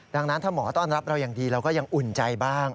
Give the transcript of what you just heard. ดังนั้นถ้าหมอต้อนรับเราอย่างดีเราก็ยังอุ่นใจบ้าง